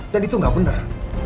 dan itu gak benar